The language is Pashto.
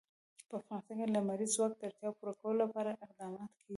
په افغانستان کې د لمریز ځواک د اړتیاوو پوره کولو لپاره اقدامات کېږي.